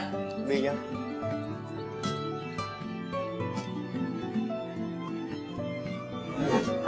tôi đi nhá